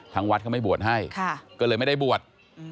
วัดเขาไม่บวชให้ก็เลยไม่ได้บวช